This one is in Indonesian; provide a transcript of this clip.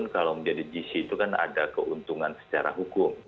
kalau menjadi gc itu kan ada keuntungan secara hukum